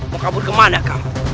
mau kabur kemana kamu